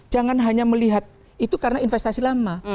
jangan hanya melihat itu karena investasi lama